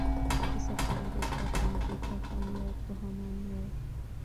د سفر وروستی تمځی جاپان یوکوهاما و.